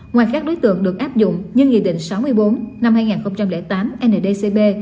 ngoài các đối tượng được áp dụng như nghị định sáu mươi bốn năm hai nghìn tám ndcp